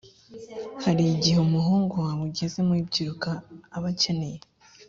hari igihe umuhungu wawe ugeze mu mabyiruka aba akene